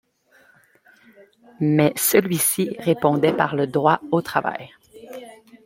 Mais celui-ci répondait par le droit au travail.